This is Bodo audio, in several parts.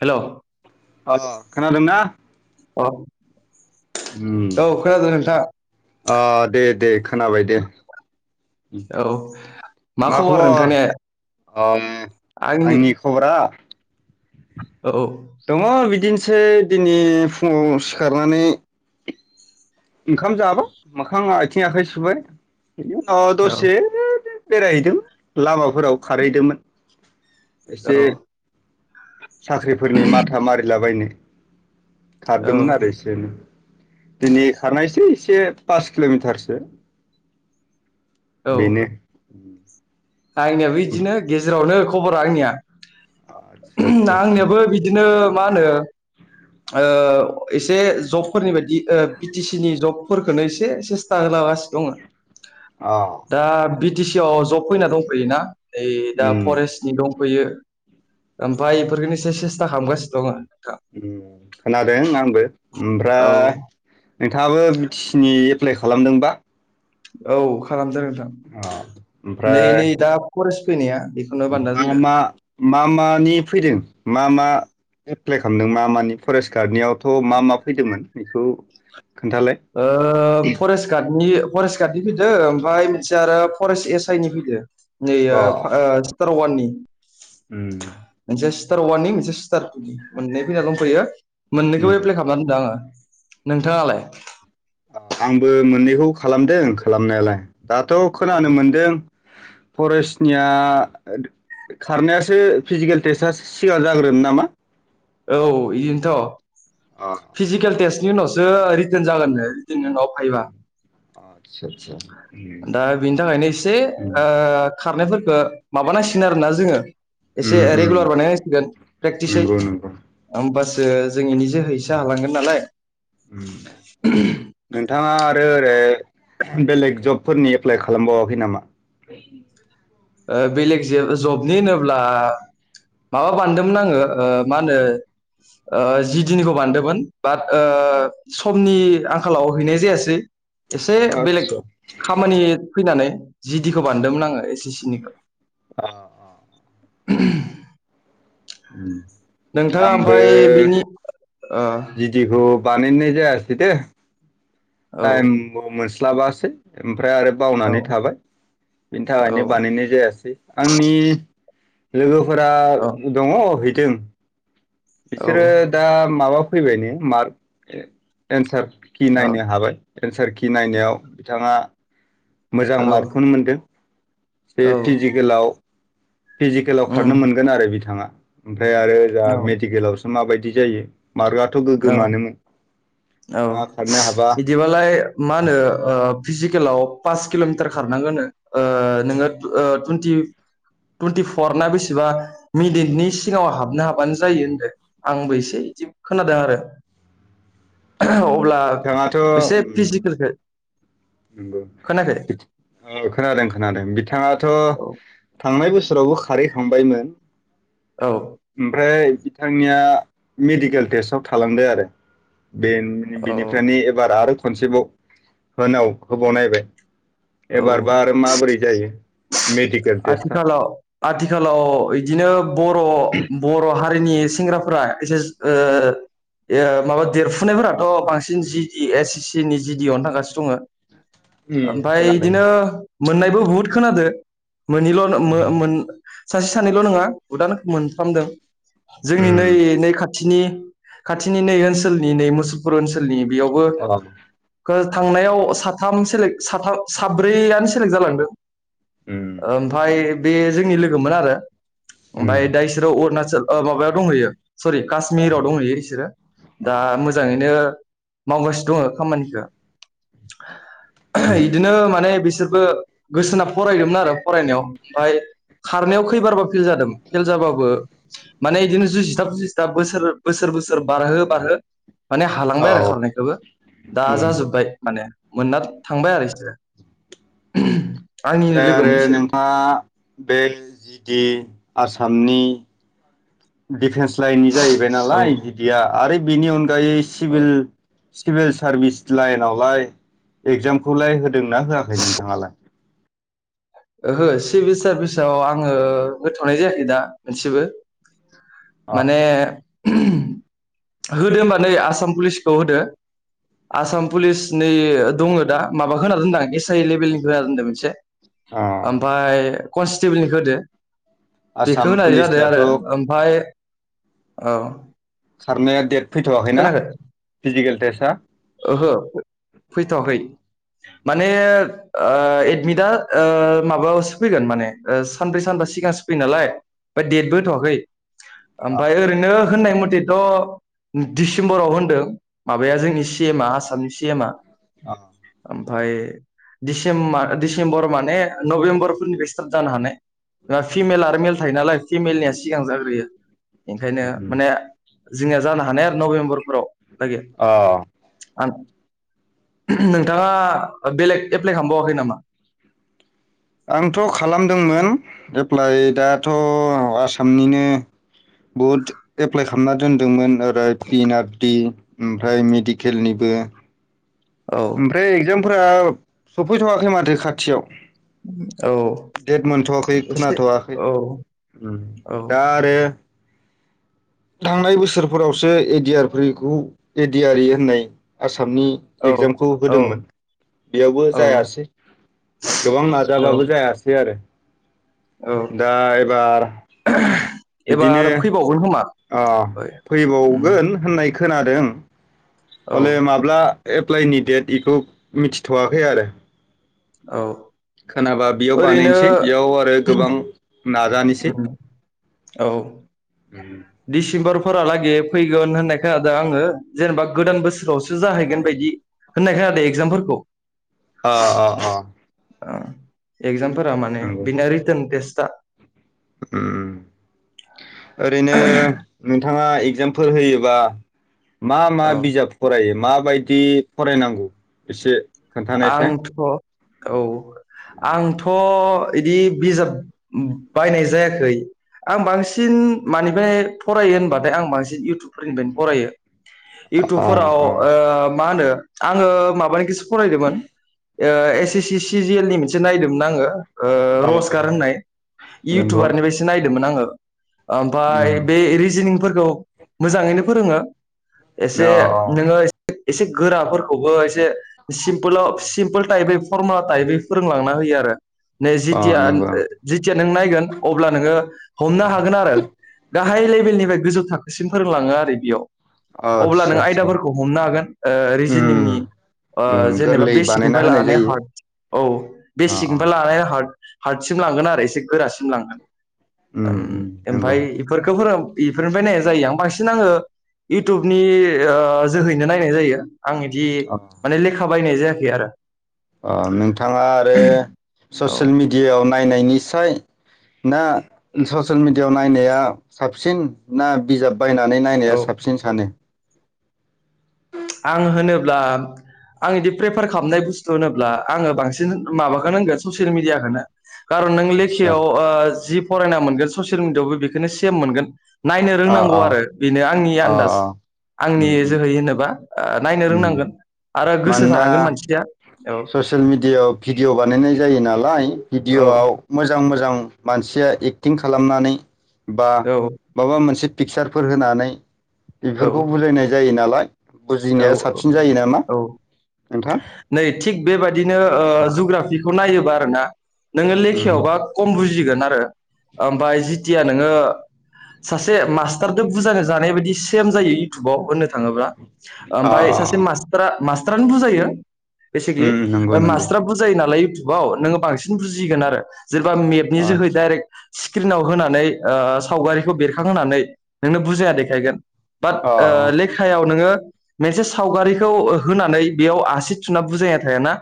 हेलौ। ओ खोनादोंना? औ। ओम खोनादों नोंथां ओ दे दे खोनाबाय दे उम औ मा खबर आं आंनि खबरा। औ दङ बिदिनो एसे दिनै फुङाव सिखारनानै ओंखाम जाबा मोखां आथिं आखाइ सुबाय बेनि उनाव औ दसे बेरायहैदों लामाफोराव खारहैदोंमोन एसे औ साख्रिफोरनि माथा मारिलाबायनो औ खारदोंमोन आरो एसे नो दिनै एसे एसे पास किल'मिटारसो औ बेनो आंनियाबो इदिनो गेजेरावनो खबरा आंनिया आदसा आदसा । आदसा आंनियाबो बिदिनो मा होनो ओ एसे जबफोरनि बायदि बि टि सि नि जबफोरखौनो एसे सेस्था होलागासिनो दङो अ । दा बि टि सि आव जब फैना दंफैयोना ओय दा उम फरेस्टनि दं फैयो ओमफ्राय एफोरखनो एसे सेस्था खालामगासिनो दं नोंथां उम खोनादों आंबो ओमफ्राय औ नोंथाङाबो बि टि सि नि प्लाइ खालामदोंबा? औ खालामदों । अ नै ओमफ्राय नै दा फरेस्ट फैनाया बेखौनो बानना मा दोनदो मा मा मा नि फैदों मा मा एप्लाइ खालामदों मा मानि फरेस्ट गार्डनियाव थ' मा मा फैदोंमोन एखौ ओ फरेस्ट गार्डनि फरेस्ट गार्डनि फैदो ओमफ्राय मोन से आरो फरेस्ट एस आइ नि फैदों अ [unintelligible] तारवाननि उम मोनसे [unintelligible] [unintelligible] [unintelligible] मोनै फैना दंफैयो उम मोननैखोबो एप्लाइ खामना दोनदो आङो नोंथाङालाय आंबो मोननैखौ खालामदों खालामनायालाय दाथ खोनानो मोनदों फरेस्ट निया खारनायासो फिजिकेल टेस्टआसो सिगां जाग्रोन नामा औ इयोनथ अ फिजिकेल टेस्ट बिनि उनावसो रिटेन जागोननो रिटेननि उनाव भाइबा आदसा आदसा उम दा बिनि थाखायनो एसे उम ओ-खारनाय फो दा माबानांसिगोन आरोना जोङो एसे उम उम रेगुलार बानायनांसिगोन प्रेक्टिसै नंगौ नंगौ होमबासो [unintelligible] जों इनि जोहैसो उम हालांगोन नालाय उम नोंथाङा आरो ओरै बेलेग जबफोरनि एप्लाइ खालामबावाखै नामा ओ बेलेगे जे-जबनि होनोब्ला माबा बानन्दोंमोन आङो-ओ मा होनो जि डि निखौ बानन्दोंमोन बाट ओ-समनि आंखालाव हैनाय जायासै एसे बेलेग आतसा खामानि फैनानै जि डि खौ बानन्दोंमोन आङो एस-एस सि [unintelligible] [inaudible] [unintelligible] नोंथाङा आंबो ओमफाय बिनि [unintelligible] औ बानायनाय जायसै दे औ टायेम बो मो क्लाबासो उ ओमफ्राय आरो औ बावनानै थाबाय बिनि औ थाखायनो बानायनाय जायासै आंनि [unintelligible] फोरा औ दङ भित [unintelligible] बिसोरो औ दा माबा फैबाय ने मार्क एन्सार कि औ नायनो हाबाय एन्सार कि नायनायाव बिथाङा। मोजां औ मार्कखौनो मोनदों जे औ फिजिकेलाव। फिजिकेलाव उम खारनो मोनगोन आरो बिथाङा ओमफ्राय आरो जाह औ मेडिकेलावसो। माबायदि जायो। मार्कआथ' औ गोग्गोमानोमोन औ बिथाङा खारनो हाबा बिदिबालाय मा होनो फिजिकेलाव पास किल'मिटार। नोन नोङो ुनटिफरनाा बेसेबा मिडटनि सिगाङाव हाबनो हाबानो जायो होनदों आंबो एसे बिदि था द आरो। अब्ला बिथाङाथ' एसे फिजिकेलखौ। नंगौ खोनायाखै खोनादों खोनादों बिथाङाथ' औ थांनाय बोसोर। बसोरावबो खारैखांबायमोन। औ ओमफ्राय बिथांनिया मेडिकेल टेस्टाव थालांदों आरो। बे औ बेनिफ्रायनो एबार आरो। खनसेबाव होनाव। खौ बनायबाय। औ मेडिकेल टेस्टआ आथिखालाव आथिखालाव बिदिनो बर' बर' हारि। हारिनि सेंग्राफोरा एसे माबा देरफुनायफोराथ' बांसिन जि एस ए सि नि जिडिअनो थांगासिनो दङ। उम ओमफाय इदिनो मोननायबो बुहुद खोनादो। मोनहैल' खोनादों मोन सासे सानैल' नङा उदान मोनफ्रामदों। जोंनि नै नै खाथि नि खाथिनि नै ओनसोलनि नै मुसुलपुर ओनसोलनि। बेयावबो अ थांनायाव साथाम सेले साथा साब्रैआनो सेलेक्ट जालांदों। उम ओमफफ्राय बे जोंनि लोगोन आरो। उम ओमफफ्राय दा बिसोराव अरुणाचल। माबायाव दंहैयो। सरि औ काश्मिराव दंहैयो बिसोरो दा औ, मोजाङैनो। मावगासिनो दङ खामानिखो उम इदिनो माने बिसोर बो गोसोना फरायदोंमोन आरो फरायनायाव ओमफ्राय खारनायाव खैबारबा फेल जादों फेल जाबो माने बिदिनो जुजिथाब जुजिथाब बोसो सोर बोसोर बोसोर बारहो बारहो माने हालांबाय औ आरो उम खारनायखोबो दा ओमफ्राय जाजोब्बाय माने मोननार थांबाय आरो इसोरो आंनिनो ओमफ्राय लोगोमोन आरो इसोरबो नोंथाङा बेल जि डि आस सामनि दिफेन्स लाइननि जाहैबाय औ नालाय जि दिआ आर [unintelligible] बिनि अन गायै सिभिल सिभिल सारभिस लाइनावलाय एगजामखौलाय होद दोंना होआखै नोंथाङालाय? ओहो सिभिल सारभिसाव आङो होथनाय जायाखै दा मोनसेबो। अ माने होदो होनबा नै आसाम पुलिसखौ होदो आसाम पुलिस नैयो दङ दा माबा होना दोनदो आं एस आइ लेभेलनि होना दोनदो मोनसे। अ ओमफाय कनस्टेबोलनिखो होदो। बेखौ आसाम होनाय जादों पुलिसनियाथ' आरो ओमफाय औ खारनाया देट फैथवाखैना खोनाखै फिजिकेल टेस्ट हा ओहो फैथवाखै माने ओ एडमिटआ ओ माबायावसो फैगोन माने ओ सानब्रै सानबा सिगांसो फैयो नालाय ओमफ्राय डेटबो होथवाखै। अ ओमफाय ओरैनो होननाय मथेथ दिसिम्बराव होनदो माबाया जोंनि सि सि एम आ आसामनि सि एम आ अ । ओमफाय डिसेम मा डिसेम्बर माने नबेम्बरफोरनिफ्राय स्टार्ट जानो हानाय । फिमेल आरो मेल थायो नालाय फिमेलनिया सिगां जाग्रोयो उम ओंखायनो उम उम माने जोंनिया जानो हानाय आरो नभेम्बर अ ‌। आं नोंथाङा बेलेग एप्लाइ खामबावाखै नामा? आंथ' खालामदोंमोन एप्लाइ दाथ आसामनिनो बहुद एप्लाइ खामना दोनदोंमोन । ओ पिनाट टि ओमफ्राय मेडिकेलनिबो । औ ओमफ्राय एक्जाम फ्रा सफैथ'वाखै माथो खाथियाव? औ देट मोनथ'वाखै एसे खोनाथ'वाखै औ औ दा आरो थांनाय बोसोरफोरावसो एदियारखौ एदियारि होननाय आसा मनि औ एग्जामखौ औ होदोंमोन बेयावबो औ जायासै गोबां औ नाजाबाबो जायासै आरो । औ दा एबार बिदिनो एबार फैबावगोन खोमा ओ उम फैबावगोन होननाय खोनादों । औ अ ले माब्ला एप्लाइनि डेट इखौ मिथिथ'वाखै आरो । औ । खोनाबा बेयाव बानायनोसै बेयाव आरो गोबां ना उम औ अ दिस इम्बरफोरालागै फैगोन होननाय खोनादों आङो जेनेबा गोदान बोस आवसो जाहैगोन बायदि । होननाय खोनादो एक्जामफोरखौ । अ अ अ । अ एक्जाम फोरा माने बिनि रिटोन टेस्टा उम ओरैनो नोंथाङा एग्जामफोर होयोबा मा मा औ बिजाब फरायो? मा‌ बायदि फरायनांगौ एसे खोन्थानायसाय आंथ' औ आंथ' बिदि बिजाब बायनाय जायाखै आं बांसिन मानिफ्राय फरायो होनबाथाय आं बांसिन इउटुबफोरनिफ्रायनो फरायो । अ इउटुबफोराव अ ओ मा होनो आङो माबानिखोसो फरायदोमोन ओ एस एस सि सिजेयेल नि मोनसे नायदोंमोन आङो ओ अ रजगार होननाय इ नंगौ इउटुबारनिफ्रायसो नायदोंमोन आङो। [inaudible] ओमफाय उम बे रिजनिंफोर खौ मोजाङैनो फोरोङो। एसे अ नोङो एसे एसे गोराफोरखौबो एसे सिमपोल ओ सिमपोल टाइपयै फरमुला टाइबै फोरोंलांना होयो आरो। नै अ जेथिया नंगौ जेथिया नों नायगोन अब्ला नोङो हमना हागोन आरो। गाहाय लेबेलनिफ्राय गोजौ थाखोसिम फोरोंलाङो आरो बेयाव। अब्ला आदसा नों आदसा आयदाफोरखौ हमनो हागोन ओ रिजोनिंनि उम ओ उम जेनेबा गोरलै बानायना बेसिकनिफ्राय होनाय लानानै जायो हार्ड औ अ अ बेसेकनिफ्राय लानानै हा हार्ड हार्ड सिम लांगोन आरो एसे गोरासिम लांगोन। उम ओम उम नंगौ एमफाय इफोरखौ फोरों इफोरनिफ्राय नायनाय जायो आं बांसिन आङो इयउटुबनि ओ जोहैनो नायनाय जायो। आं इदि अ लेखा बायनाय जायाखै आरो अ नोंथाङा आरो औ ससियेल मिडियाआवन नायनायनिसाय ना ससियेल मिडियाआव नायनाया साबसिन ना बिजाब बायनानै नायनाया साबसिन सानो? आं होनोब्ला आं बिदि प्रेफार खालामनाय बुस्थु होनोब्ला आङो बांसिन माबाखोनो होनगोन ससियेल मिडियाखोनो खारन नों आदसा लेखायाव ओ जि फरायना मोनगोन ससियेल मिडियआवबो बेखोनो सेम मोनगोन। नायनो अ रोंनांगौ अ आरो बेनो। आंनि अ आन्दाज अ आंनि उम उम जोहै होनोबा। ओ नायनो उम रोंनांगोन आरो गोसो मानोना थानांगोन मानसिया औ ससियेल मिडियायाव भिडिअ' बानायनाय जायो नालाय, औ भिडिअ'आव मोजां मोजां मानसिया एक्टिं खालामनानै बा औ माबा मोनसे पिकसारफोर होनानै औ बेफोरखौ बुजायनाय जायो नालाय। औ जिनाया साबसिन जायो नामा? औ नोंथां? नै थिग बेबायदिनो अ जुग्राफिखौ नायोबा? ना नोङो उम लेखायावबा खम बुजिगोन आरो ओमाय जिथिया नोङो सासे मास्टारद बुजायानो जानाय बायदि सेम जायो इउथुबाव होननो थाङोब्ला अ ओमफफ्राय सासे अ मास्टाराार ख्रानो बुजायो। बेसिकेलि उम नंगौ नंगौ मास्टारा बुजायो नालाय‌। वाव नोङो बांसिन बुजिगोन आरो सोरबा मेपनि जोहै आदसा दडाइरेक्ट स्क्रिनाव होनानै सावगारिखौ बेरखांहोनानै नोंनो बुजाया देखायगोन। बाट अ लेखायाव नोङो। मोनसे सावगारिखौ होनानै बेयाव आसि न बुजाय थाया ना?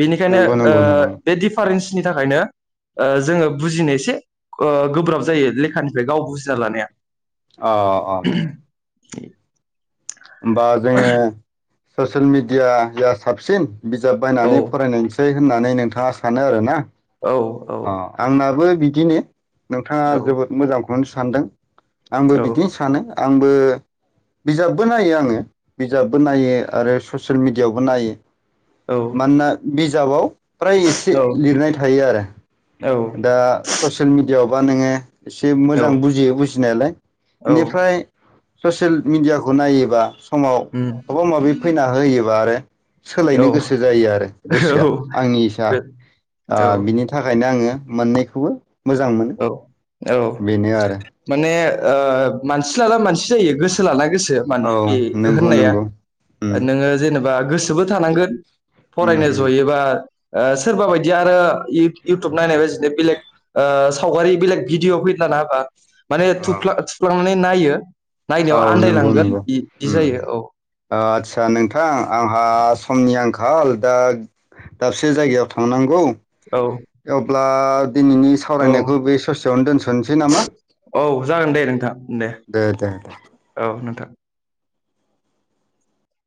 बेनिखायनो नंगौ नंगौ नंगौ बे दिडिफारेन्स बिनि थाखायनो जोङो बुजिनो एसे गोब्राब जायो लेखानिफ्राय गाव बुजिना लानाया। औ औ। [inaudible] होनबा जों ससियेल मिडियाया साबसिन बिजाब औ बायनानै फरायनायसै। होननानै नोंथाङा सानो आरो ना? औ औ अ आंनाबो‌‌ बिदिनो नोंथाङा औ जोबोद मोजां। बेनो सानदों। आंबो औ बिदिनो सानो। आंबो बिजाब बबो नायो आङो बिजाबबो नायो आरो ससियेल मिडिआवबो नायो। औ मानोना बे बिजाबाव फ्राय एसे लिरनाय थायो आरो औ दा ससियेल मिडियाआव माबा नोङो एसे मोजां बुजियो बुजिनायालाय औ बेनिफ्राय ससियेल मिडिया गनायोबा समाव उम माबा माबि फैना ह होयो बार औ सोलायनो गोसो जायो आरो गोसोआ आंनि इसा औ बिनि थाखायनो आङो मोन्नैखौबो मोजां मोनो औ औ बेनो आरो । माने मानसि लाना मानसि जायो गोसो लाना गोसो औ नंगौ होननाया नंगौ उम नोङो जेनेबा गोसोबो थानांगोन । उम फरायनो उम जयोबा सोरबा बायदि आरो इउटुब नायनाय बासिनो बेले सावगारि बेलेग भिडिअ' फैदलाना होबा माने थ औ थुफ्ला [unintelligible] नायो औ नायनायाव नंगौ आन्दायलांगोन नंगौ बिदि जायो औ आस्सा नोंथां आं समनि आंखाल दा दाबसे जायगायाव थांनांगौ । औ । आ दिनैनि सावरायनायखौ बे ससेयावनो दोनस'नोसै नामा औ जागोन दे दे दे दे । नोथां ।